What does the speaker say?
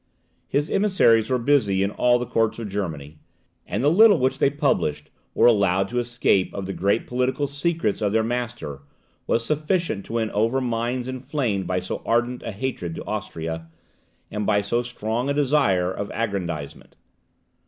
His emissaries were busy in all the courts of Germany, and the little which they published or allowed to escape of the great political secrets of their master, was sufficient to win over minds inflamed by so ardent a hatred to Austria, and by so strong a desire of aggrandizement.